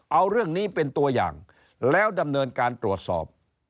เอาเรื่องนี้เป็นตัวอย่างแล้วดำเนินการตรวจสอบ